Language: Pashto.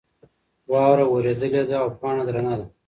واوره ورېدلې ده او پاڼه درنه ده.